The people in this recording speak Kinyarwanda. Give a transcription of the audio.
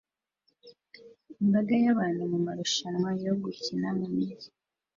Imbaga yabantu mumarushanwa yo gukira mumijyi